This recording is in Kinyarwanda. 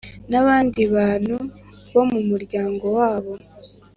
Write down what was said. n’abandi bantu bo mu muryango wabo